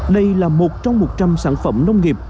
đây là một trong một trăm linh sản phẩm nông nghiệp